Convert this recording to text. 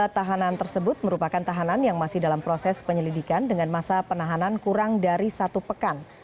dua puluh tahanan tersebut merupakan tahanan yang masih dalam proses penyelidikan dengan masa penahanan kurang dari satu pekan